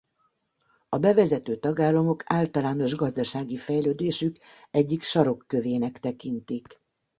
A bevezető tagállamok általános gazdasági fejlődésük egyik sarokkövének tekintik.